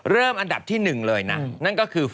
อันดับที่๑เลยนะนั่นก็คือ